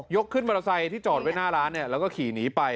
ยกขึ้นไว้ร้านแล้วก็ขี่หนีไป